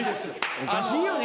おかしいよね？